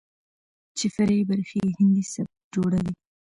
چې فرعي برخې يې هندي سبک جوړښت،